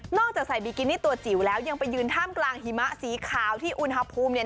จากใส่บิกินี่ตัวจิ๋วแล้วยังไปยืนท่ามกลางหิมะสีขาวที่อุณหภูมิเนี่ย